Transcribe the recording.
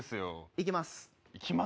いきます？